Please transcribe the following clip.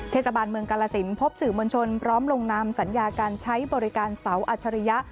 เทศบาลเมืองกาลสินพบสื่อมวลชนพร้อมลงนำสัญญาการใช้บริการเสาอัจฉริยะ